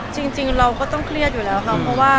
จริงเราก็ต้องเครียดอยู่แล้วค่ะเพราะว่า